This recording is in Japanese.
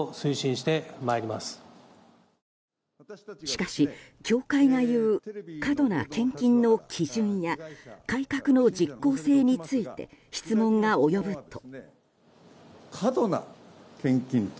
しかし、教会が言う過度な献金の基準や改革の実効性について質問が及ぶと。